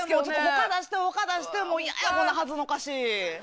他出して他出してもう嫌やこんな恥ずのかしい。